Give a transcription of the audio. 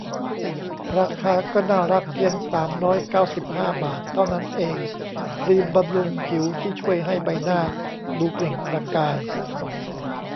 ราคาก็น่ารักเพียง สามร้อยเก้าสิบห้า บาท เท่านั้นเอง ครีมบำรุงผิวที่ช่วยให้ใบหน้าดูเปล่งประกาย